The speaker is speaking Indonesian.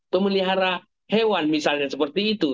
pemelihara hewan misalnya seperti itu